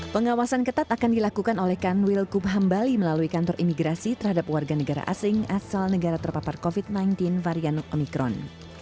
pengawasan ketat akan dilakukan oleh kanwil gub hambali melalui kantor imigrasi terhadap warga negara asing asal negara terpapar covid sembilan belas varian omikron